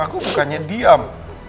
aku bukannya diam